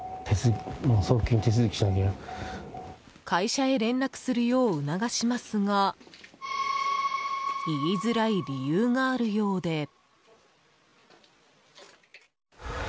会社へ連絡するよう促しますが言いづらい理由があるようで。